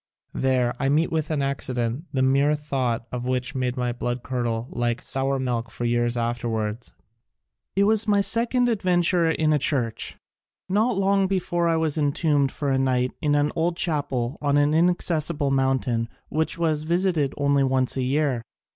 There I met with an accident, the mere thought of which made my blood curdle like sour milk for years afterwards. It was my second ad venture in a church. Not long before I was entombed for a night in an old chapel on an inaccessible mountain which was visited only once a year.